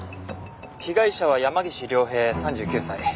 被害者は山岸凌平３９歳。